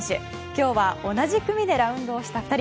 今日は同じ組でラウンドをした２人。